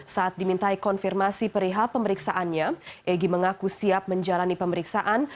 saat dimintai konfirmasi perihal pemeriksaannya egy mengaku siap menjalani pemeriksaan